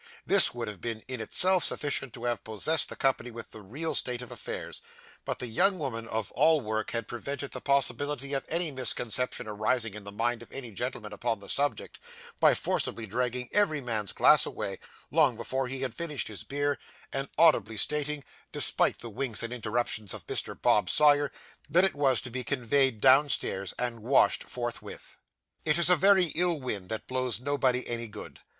This would have been in itself sufficient to have possessed the company with the real state of affairs; but the young woman of all work had prevented the possibility of any misconception arising in the mind of any gentleman upon the subject, by forcibly dragging every man's glass away, long before he had finished his beer, and audibly stating, despite the winks and interruptions of Mr. Bob Sawyer, that it was to be conveyed downstairs, and washed forthwith. It is a very ill wind that blows nobody any good.